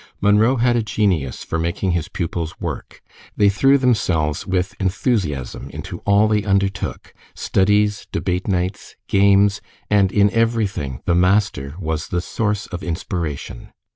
Munro had a genius for making his pupils work. They threw themselves with enthusiasm into all they undertook studies, debate nights, games, and in everything the master was the source of inspiration.